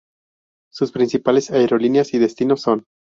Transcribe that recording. Sus principales aerolíneas y destinos son